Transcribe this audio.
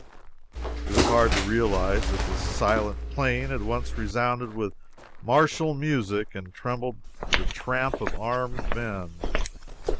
It was hard to realize that this silent plain had once resounded with martial music and trembled to the tramp of armed men.